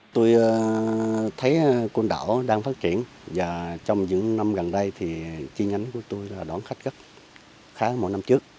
tôi thấy côn đảo đang phát triển và trong những năm gần đây thì chi nhánh của tôi là đón khách gấp khá là một năm trước